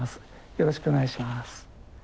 よろしくお願いします。